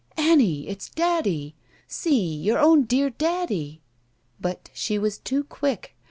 "Annie, it's daddy! See, your own dear daddy!" But she was too quick.